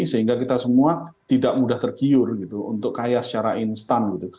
sehingga kita semua tidak mudah tergiur gitu untuk kaya secara instan gitu